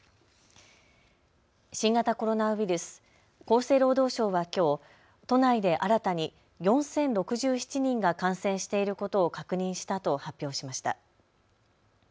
新型コロナウイルス、厚生労働省はきょう都内で新たに４０６７人が感染していることを確認したと発表しました。